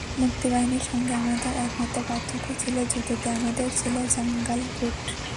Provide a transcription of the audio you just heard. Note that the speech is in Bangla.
মুক্তিবাহিনীর সঙ্গে আমাদের একমাত্র পার্থক্য ছিল জুতোতে, আমাদের ছিল জাঙ্গাল বুট।